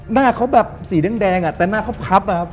หน้าเขาแบบสีแดงแต่หน้าเขาพับ